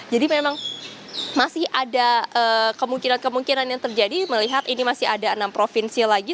jadi memang masih ada kemungkinan kemungkinan yang terjadi melihat ini masih ada enam provinsi lagi